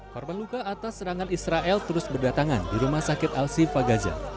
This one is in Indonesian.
perpengluka atas serangan israel terus berdatangan di rumah sakit al sifah gaza